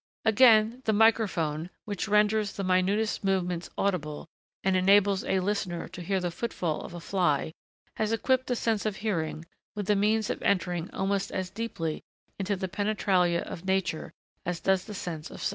Again, the microphone, which renders the minutest movements audible, and which enables a listener to hear the footfall of a fly, has equipped the sense of hearing with the means of entering almost as deeply into the penetralia of nature, as does the sense of sight.